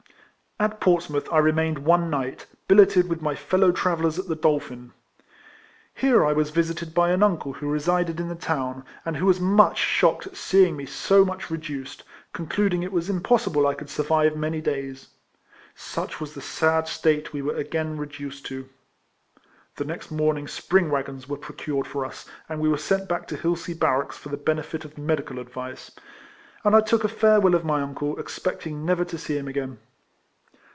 At Portsmouth I remained one night, billeted with my fellow travellers at the Dolphin. Hero I was visited by an uncle who resided in the town; and who was much shocked at seeing me so much re duced, concluding it was impossible I could survive many days. Such was the sad state we were again reduced to. The next morn ing spring waggons were procured for us, and we were sent back to Hilsea barracks for the benefit of medical advice; and I took a farewell of my uncle, expecting never to see him again.